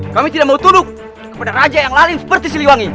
kami tidak mau turuk kepada raja yang lali seperti siliwangi